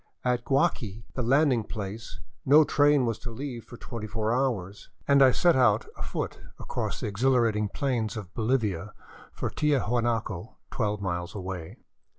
At Guaqui, the landing place, no train was to leave for twenty four hours, and I set out afoot across the exhilarating plains of Bolivia for Tia huanaco, twelve miles away.